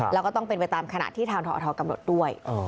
แล้วก็ต้องเป็นไปตามขณะที่ทางทอทกำหนดด้วย